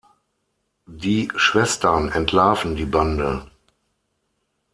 Die Schwestern entlarven die Bande.